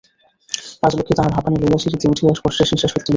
রাজলক্ষ্মী তাঁহার হাঁপানি লইয়া সিঁড়িতে উঠিয়া কষ্টে নিশ্বাস লইতেছিলেন।